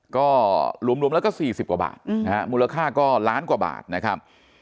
ก็รวมแล้วก็๔๐กว่าบาทนะฮะมูลค่าก็ล้านกว่าบาทนะครับ